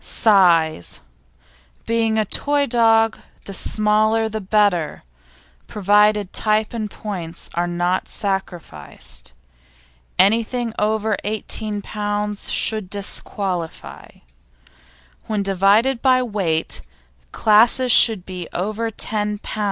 SIZE Being a toy dog the smaller the better, provided type and points are not sacrificed. Anything over 18 lb. should disqualify. When divided by weight, classes should be over 10 lb.